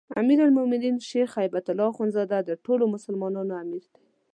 امیرالمؤمنین شيخ هبة الله اخوندزاده د ټولو مسلمانانو امیر دی